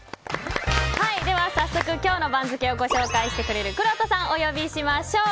早速、今日の番付をご紹介してくれるくろうとさんをお呼びしましょう。